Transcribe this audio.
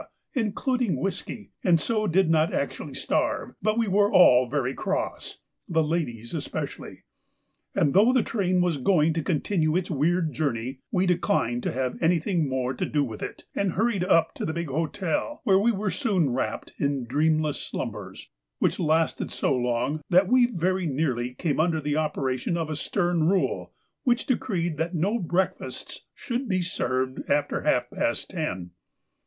including whisky, and so did not actually starve, but we were all very cross, the ladies especially; and though the train was going to continue its weird journey we declined to have anything more to do with it, and hurried up to the big hotel, where we were soon wrapped in dreamless slumbers, which lasted so long that we very nearly came under the operation of a stern rule which decreed that no breakfasts should be served after half past ten.